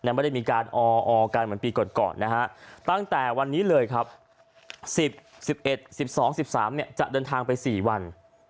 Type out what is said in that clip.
ไม่ได้มีการออกันเหมือนปีก่อนนะฮะตั้งแต่วันนี้เลยครับ๑๑๑๑๒๑๓จะเดินทางไป๔วัน